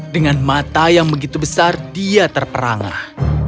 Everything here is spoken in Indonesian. dengan mata yang begitu besar dia terperangah